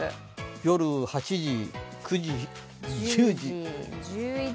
夜８時、９時、１０時。